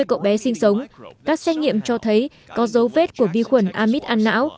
các xét nghiệm cho thấy có dấu vết của vi khuẩn amib an não các xét nghiệm cho thấy có dấu vết của vi khuẩn amib an não